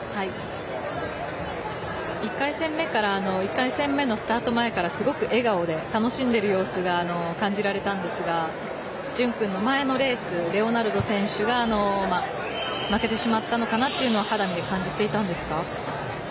１回戦目のスタート前からすごく笑顔で楽しんでいる様子が感じられたんですが潤君の前のレースレオナルド選手が負けてしまったのかなというのは肌身で感じていたんですか？